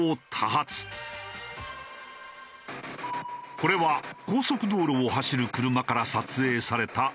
これは高速道路を走る車から撮影された映像。